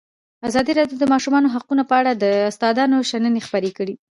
ازادي راډیو د د ماشومانو حقونه په اړه د استادانو شننې خپرې کړي.